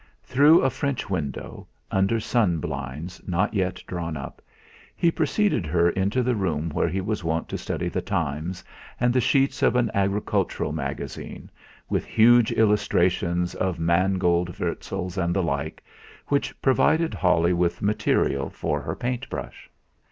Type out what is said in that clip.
Through a French window, under sun blinds not yet drawn up, he preceded her into the room where he was wont to study The Times and the sheets of an agricultural magazine, with huge illustrations of mangold wurzels, and the like, which provided Holly with material for her paint brush.